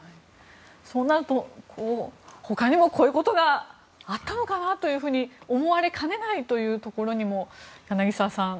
そうなると、他にもこういうことがあったのかなと思われかねないというところにも柳澤さん。